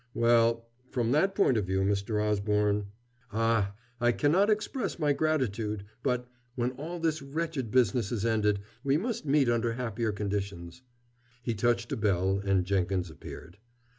"Well from that point of view, Mr. Osborne " "Ah, I cannot express my gratitude, but, when all this wretched business is ended, we must meet under happier conditions." He touched a bell, and Jenkins appeared.